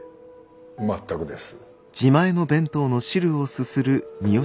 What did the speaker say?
全くです。